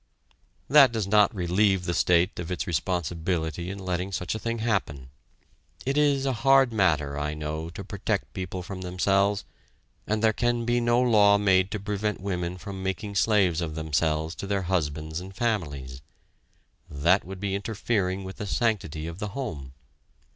That does not relieve the state of its responsibility in letting such a thing happen. It is a hard matter, I know, to protect people from themselves; and there can be no law made to prevent women from making slaves of themselves to their husbands and families. That would be interfering with the sanctity of the home!